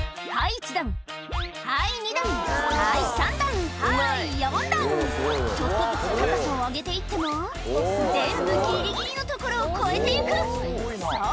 １段はい２段はい３段はい４段ちょっとずつ高さを上げていっても全部ギリギリのところを越えていくさぁ